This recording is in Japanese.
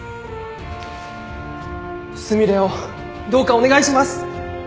すみれをどうかお願いします！